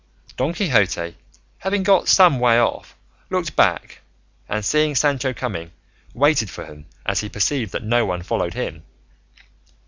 Don Quixote having got some way off looked back, and seeing Sancho coming, waited for him, as he perceived that no one followed him.